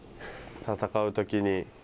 戦うときに。